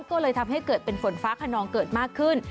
ก็เลยทำให้เกิดเป็นฝนฟ้าขนองเกิดมากขึ้น